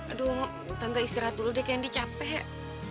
aduh kita gak istirahat dulu deh candy capek